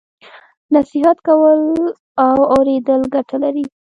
نصیحت کول او اوریدل ګټه لري.